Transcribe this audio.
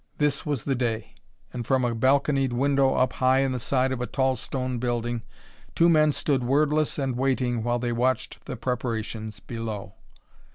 This was the day! And from a balconied window up high in the side of a tall stone building, two men stood wordless and waiting while they watched the preparations below.